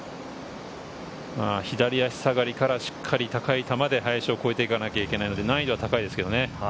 左足下がりからしっかり高い球で林を越えていかなければならないので、難易度は高いですけどね。